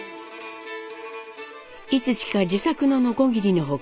いつしか自作のノコギリの他